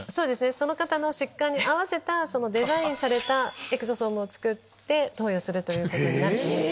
その方の疾患に合わせたデザインされたエクソソームを作って投与することになると思うんです。